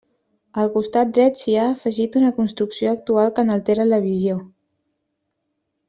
Al costat dret s'hi ha afegit una construcció actual que n'altera la visió.